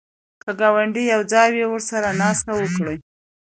که ګاونډی یواځې وي، ورسره ناسته وکړه